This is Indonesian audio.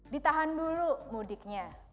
ditahan dulu mudiknya